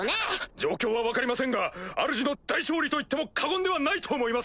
状況は分かりませんがあるじの大勝利と言っても過言ではないと思います！